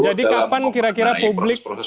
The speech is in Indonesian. jadi kapan kira kira publik